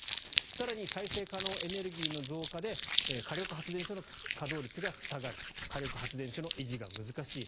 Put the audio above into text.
更に再生可能エネルギーの増加で火力発電所の稼働率が下がる火力発電所の維持が難しい。